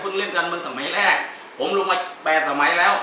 พึ่งเรียนกันบนสมัยแรกผมลงมา๘สมัยแล้ว